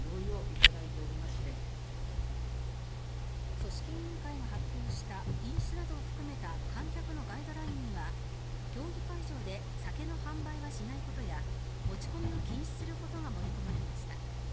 組織委員会が発表した飲酒などを含めた観客のガイドラインには競技会場で酒の販売はしないことや持ち込みを禁止することが盛り込まれました。